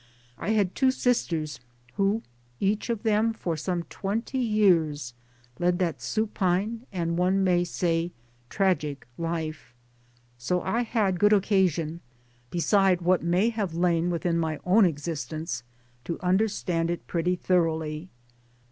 I had two sisters who each of them for some twenty years led that supine, and one may, say tragic, life ; so I had good occasion beside what may have lain within my own experience to understand it pretty thoroughly.